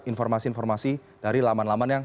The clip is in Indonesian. informasi informasi dari laman laman yang